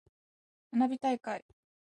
花火大会。